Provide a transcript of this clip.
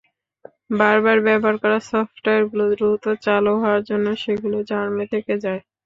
বারবার ব্যবহার করা সফটওয়্যারগুলো দ্রুত চালু হওয়ার জন্য সেগুলো র্যামে থেকে যায়।